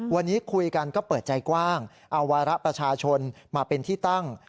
วันนี้คุยกันก็เปิดใจกว้างเอาวาระประชาชนมาเป็นที่ตั้ง